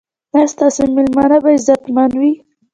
ایا ستاسو میلمانه به عزتمن وي؟